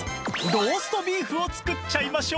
ローストビーフを作っちゃいましょう！